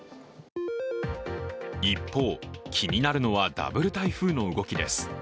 一方、気になるのはダブル台風の動きです。